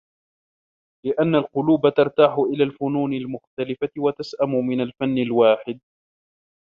لِأَنَّ الْقُلُوبَ تَرْتَاحُ إلَى الْفُنُونِ الْمُخْتَلِفَةِ وَتَسْأَمُ مِنْ الْفَنِّ الْوَاحِدِ